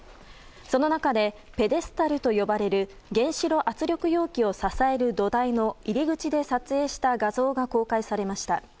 その中で、ペデスタルと呼ばれる原子炉圧力容器を支える土台の入り口で撮影した画像が公開されました。